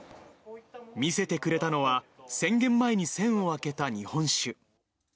見せてくれたのは、宣言前に栓を開けた日本酒。